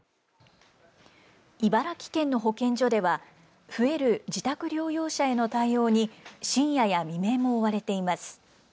茨城県の保健所では増える自宅療養者への対応に深夜や未明も追われています。